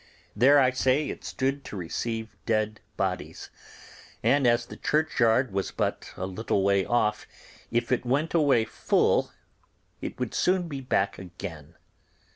There, I say, it stood to receive dead bodies, and as the churchyard was but a little way off, if it went away full it would soon be back again.